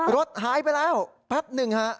รถหายไปแล้วแป๊บหนึ่งฮะ